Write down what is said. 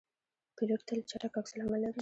پیلوټ تل چټک عکس العمل لري.